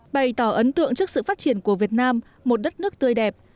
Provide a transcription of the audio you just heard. bày tỏ ấn tượng trước sự phát triển của việt nam một đất nước tươi đẹp